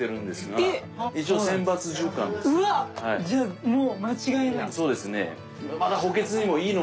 じゃあもう間違いない。